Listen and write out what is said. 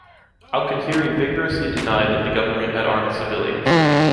Alkatiri vigorously denied that the government had armed civilians.